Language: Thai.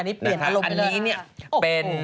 อันนี้เปลี่ยนอารมณ์ไปแล้ว